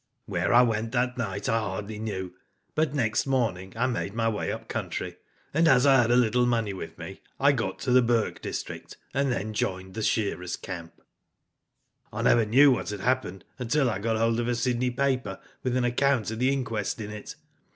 "Where I went that night I hardly knew, but next morning I made my way up country, and as I had a little money with me I got to the Burke district, and then joined the shearers' camp. ''I never knew what had happened until I got hold of a Sydney paper with an account of the inquest in it.